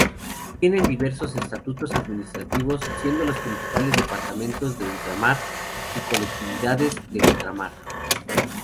Tienen diversos estatutos administrativos, siendo los principales departamentos de ultramar y colectividades de ultramar.